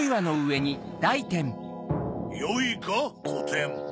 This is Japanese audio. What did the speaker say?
よいかこてん。